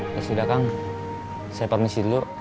ya sudah kang saya permisi dulu